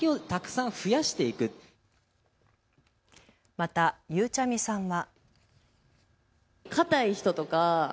また、ゆうちゃみさんは。